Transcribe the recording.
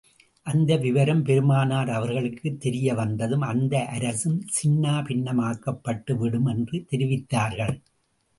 அந்த விவரம் பெருமானார் அவர்களுக்குத் தெரிய வந்ததும், அந்த அரசும் சின்னா பின்னமாக்கப்பட்டுவிடும் என்று தெரிவித்தார்கள்.